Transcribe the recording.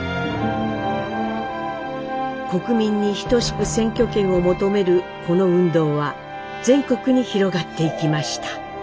国民にひとしく選挙権を求めるこの運動は全国に広がっていきました。